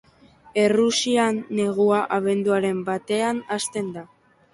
Errusian negua abenduaren batean hasten da.